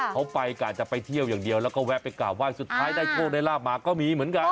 เขาไปกะจะไปเที่ยวอย่างเดียวแล้วก็แวะไปกราบไห้สุดท้ายได้โชคได้ลาบมาก็มีเหมือนกัน